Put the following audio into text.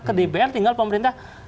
ke dpr tinggal pemerintah